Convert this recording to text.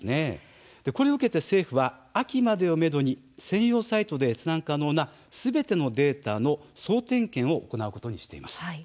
これを受けて政府は秋までをめどに専用サイトで閲覧可能なすべてのデータの総点検を行うことにしています。